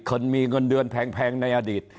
เงินมีเงินเดือนแพงในอดีต